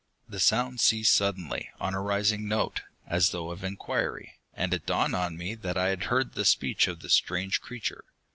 The sound ceased suddenly, on a rising note, as though of inquiry, and it dawned on me that I had heard the speech of this strange creature.